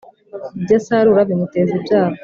ibyo asarura bimuteza ibyago